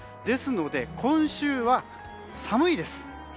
ですから今週は寒いです。